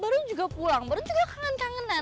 turun juga pulang baru juga kangen kangenan